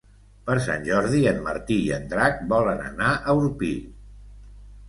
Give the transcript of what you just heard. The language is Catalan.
Per Sant Jordi en Martí i en Drac volen anar a Orpí.